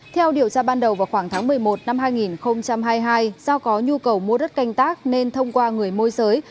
theo điều tra ban đầu vào khoảng tháng một mươi một năm hai nghìn hai mươi hai do có nhu cầu mua đất canh tác nên thông qua người môi giới